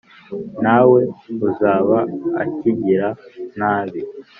Nta we uzaba akigira nabi,